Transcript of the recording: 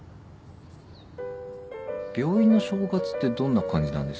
病院の正月ってどんな感じなんですか？